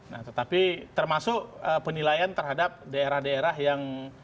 nah tetapi termasuk penilaian terhadap daerah daerah yang